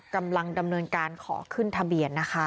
กำลังดำเนินการขอขึ้นทะเบียนนะคะ